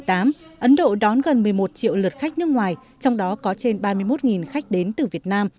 năm hai nghìn một mươi tám ấn độ đón gần một mươi một triệu lượt khách nước ngoài trong đó có trên ba mươi một khách đến từ việt nam